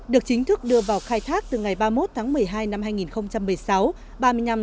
được chính thức đưa vào khai thác từ ngày ba mươi một tháng một mươi hai năm hai nghìn một mươi sáu